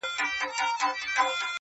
چي نا اهله په وطن كي پر قدرت وي -